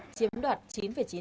chiếm đoạt chín chín triệu đồng